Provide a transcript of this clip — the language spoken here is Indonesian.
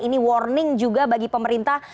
ini warning juga bagi pemerintah